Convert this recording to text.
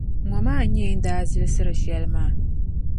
Ŋɔ maa n-nyɛ yi ni daa zilsiri shεli maa.